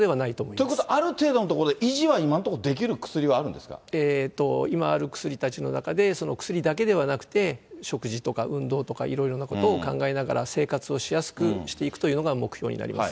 ということは、ある程度のところで維持は今のところ、今ある薬たちの中で、その薬だけではなくて、食事とか運動とかいろいろなことを考えながら、生活をしやすくしていくというのが、目標になります。